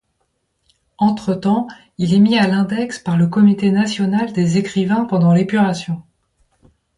Entretemps, il est mis à l'index par le comité national des écrivains pendant l'épuration.